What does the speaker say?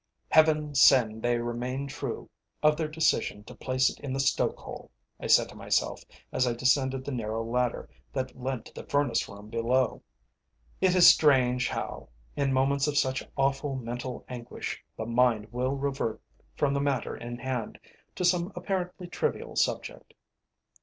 "Heaven send they remained true of their decision to place it in the stoke hole," I said to myself as I descended the narrow ladder that led to the furnace room below. [Illustration: CLUTCHING IT IN MY ARMS. To face page 281.] It is strange how, in moments of such awful mental anguish, the mind will revert from the matter in hand to some apparently trivial subject.